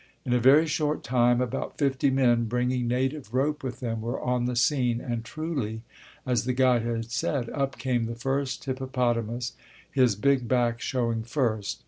In a very short time about fifty men, bringing native rope with them, were on the scene and truly, as the guide had said, up came the first hippopotamus, his big back showing first.